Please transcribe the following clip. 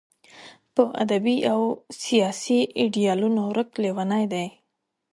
په ادبي او سیاسي ایډیالونو ورک لېونی دی.